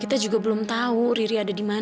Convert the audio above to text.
kita juga belum tahu riri ada di mana